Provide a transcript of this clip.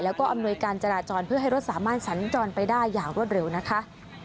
แล้วก็อำนวยการจราจรเพื่อให้รถสามารถสัญจรไปได้อย่างรวดเร็วนะคะ